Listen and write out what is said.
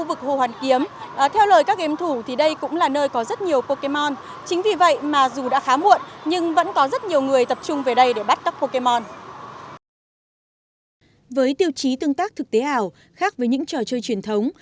với tiêu chí tương tác thực tế ảo khác với những trò chơi truyền thống